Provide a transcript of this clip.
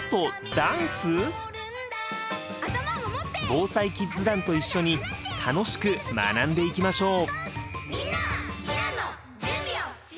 ＢＯＳＡＩキッズ団と一緒に楽しく学んでいきましょう。